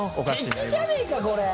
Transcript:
すてきじゃねえかこれ！